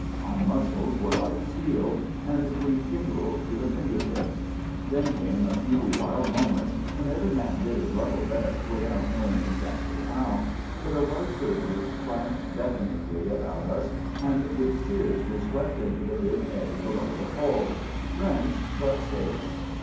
Our muscles were like steel, and we tingled to the finger tips. Then came a few wild moments when every man did his level best without knowing exactly how; for the white surges clashed deafeningly about us, and with cheers we swept into the big eddy below the falls—drenched, but safe.